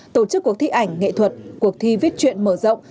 tổ chức cuộc thi ảnh nghệ thuật cuộc thi viết chuyện mở rộng